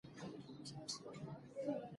ډېر سات مو تېر شو.